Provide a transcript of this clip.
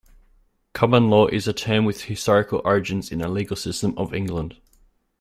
Common law is a term with historical origins in the legal system of England.